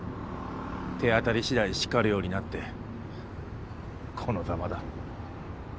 手当たり次第叱るようになってこのざまだ。